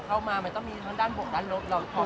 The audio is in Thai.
เข้ามามันต้องมีทั้งด้านบกด้านลบเราพร้อมรับ